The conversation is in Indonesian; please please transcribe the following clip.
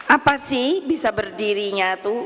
apa sih bisa berdirinya tuh